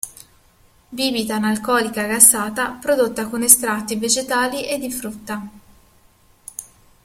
Bibita analcolica gassata, prodotta con estratti vegetali e di frutta.